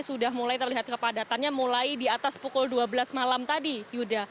sudah mulai terlihat kepadatannya mulai di atas pukul dua belas malam tadi yuda